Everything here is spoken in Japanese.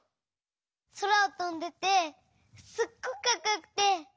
そらをとんでてすっごくかっこよくて。